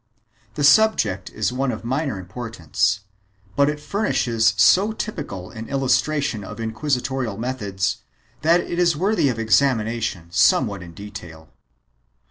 The subject is one of minor importance, but it furnishes so typical an illustration of inquisitorial methods that it is worthy of examination somewhat in detail.